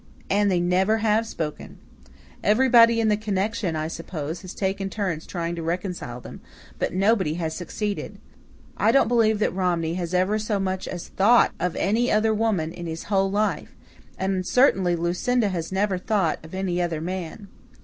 And they never have spoken. Everybody in the connection, I suppose, has taken turns trying to reconcile them, but nobody has succeeded. I don't believe that Romney has ever so much as THOUGHT of any other woman in his whole life, and certainly Lucinda has never thought of any other man.